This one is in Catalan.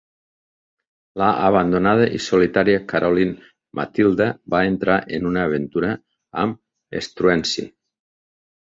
La abandonada i solitària Caroline Matilda va entrar en una aventura amb Struensee.